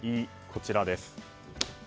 こちらです。